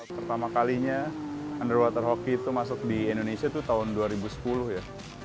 pertama kalinya underwater hoki itu masuk di indonesia itu tahun dua ribu sepuluh ya